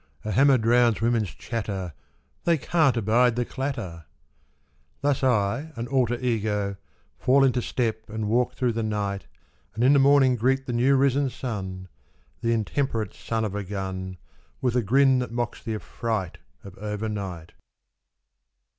" A hammer drowns women's chatter, " They can't abide the clatter! " Thus I and alter ego Fall into step and walk through the night, And in the morning greet the new risen sun — The intemperate son of a gun — With a grin that mocks the affright Of overnight.